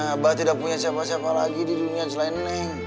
abah tidak punya siapa siapa lagi di dunia sliening